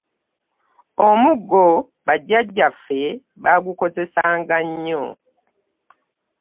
Omuggo bajjajjaffe baagukozesanga nnyo.